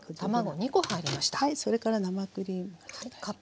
それから生クリーム。